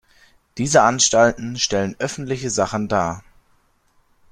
Diese Anstalten stellen öffentliche Sachen dar.